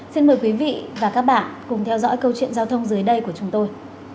xin mời quý vị và các bạn cùng theo dõi câu chuyện giao thông dưới đây của chúng tôi